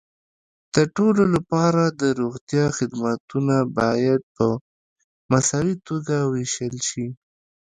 د ټولو لپاره د روغتیا خدمتونه باید په مساوي توګه وېشل شي.